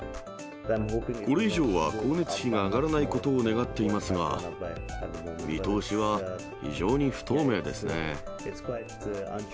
これ以上は光熱費が上がらないことを願っていますが、見通しは非常に不透明ですね。